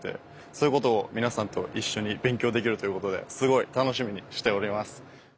そういうことを皆さんと一緒に勉強できるということですごい楽しみにしております。